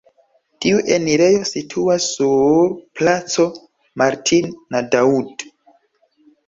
Tiu enirejo situas sur Placo Martin-Nadaud.